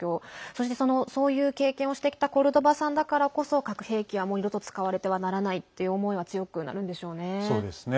そして、そういう経験をしてきたコルドバさんだからこそ核兵器は、もう二度と使われてはならないという思いは強くなるんでしょうね。